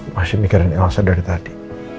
masih mikirin elsa dari tadi